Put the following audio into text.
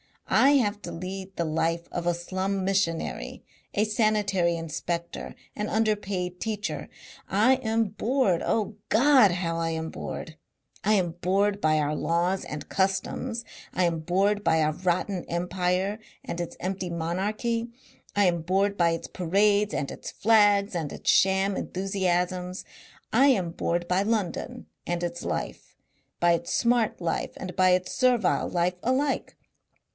I have to lead the life of a slum missionary, a sanitary inspector, an underpaid teacher. I am bored. Oh God! how I am bored! I am bored by our laws and customs. I am bored by our rotten empire and its empty monarchy. I am bored by its parades and its flags and its sham enthusiasms. I am bored by London and its life, by its smart life and by its servile life alike.